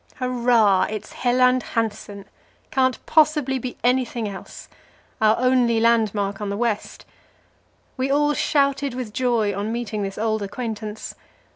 Hurrah! it's Helland Hansen. Can't possibly be anything else. Our only landmark on the west. We all shouted with joy on meeting this old acquaintance.